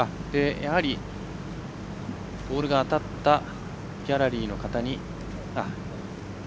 やはり、ボールが当たったギャラリーの方に。